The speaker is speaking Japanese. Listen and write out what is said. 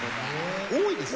多いですね